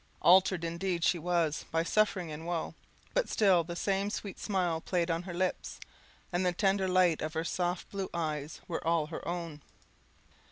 Altered indeed she was by suffering and woe, but still the same sweet smile played on her lips, and the tender light of her soft blue eyes were all her own.